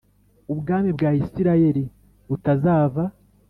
ubwami bwa Isirayeli butazava